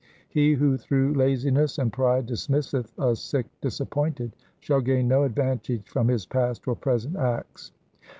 1 ' He who through laziness and pride dismisseth a Sikh disappointed, shall gain no advantage from his past or present acts.